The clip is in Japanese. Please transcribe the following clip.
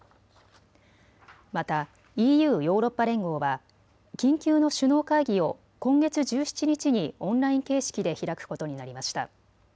また、ＥＵ・ヨーロッパ連合は緊急の首脳会議を今月１７日にオンライン形式で開くことになりました。